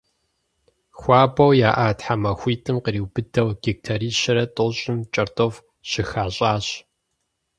Хуабэу яӏа тхьэмахуитӏым къриубыдэу гектарищэрэ тӏощӏым кӏэртӏоф щыхащӏащ.